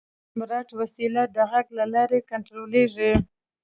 دا سمارټ وسیله د غږ له لارې کنټرولېږي.